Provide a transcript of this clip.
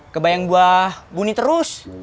kebayang buah buni terus